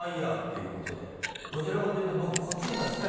どちらかというと僕。